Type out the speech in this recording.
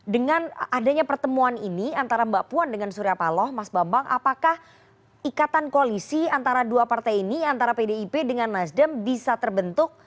dengan adanya pertemuan ini antara mbak puan dengan surya paloh mas bambang apakah ikatan koalisi antara dua partai ini antara pdip dengan nasdem bisa terbentuk